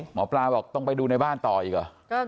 หมอปลาบอกต้องไปดูในบ้านต่ออีกเหรอ